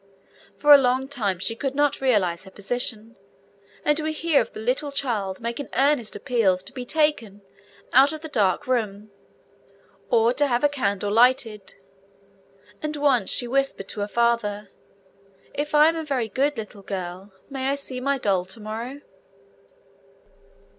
For a long time she could not realise her position, and we hear of the little child making earnest appeals to be taken 'out of the dark room,' or to have a candle lighted; and once she whispered to her father, 'If I am a very good little girl, may I see my doll to morrow?'